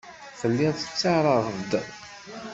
Telliḍ tettarraḍ-d.